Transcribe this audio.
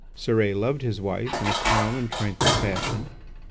Cérès loved his wife in a calm and tranquil fashion.